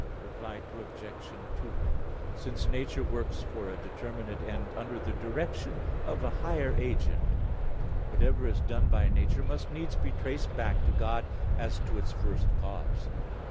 Reply Obj. 2: Since nature works for a determinate end under the direction of a higher agent, whatever is done by nature must needs be traced back to God, as to its first cause.